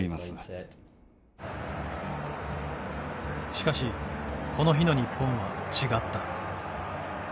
しかしこの日の日本は違った。